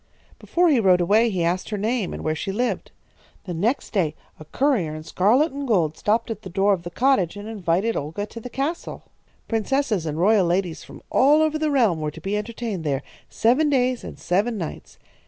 "Before he rode away he asked her name and where she lived. The next day a courier in scarlet and gold stopped at the door of the cottage and invited Olga to the castle. Princesses and royal ladies from all over the realm were to be entertained there, seven days and seven nights.